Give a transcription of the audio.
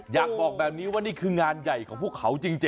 อยากบอกแบบนี้ว่านี่คืองานใหญ่ของพวกเขาจริง